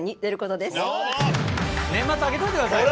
年末空けといてくださいね。